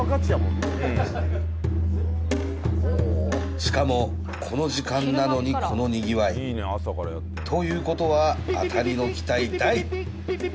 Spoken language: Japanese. しかもこの時間なのにこのにぎわいということは当たりの期待大ピピピピピ！